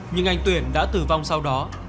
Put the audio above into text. nhưng anh tuyển đã tử vong sau đó